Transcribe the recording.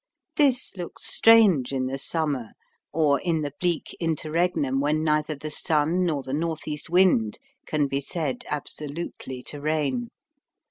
This looks strange in the summer, or in the bleak interregnum when neither the sun nor the north east wind can be said absolutely to reign.